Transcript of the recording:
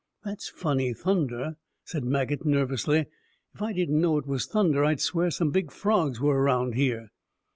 "That's funny thunder," said Maget nervously. "If I didn't know it was thunder, I'd swear some big frogs were around here."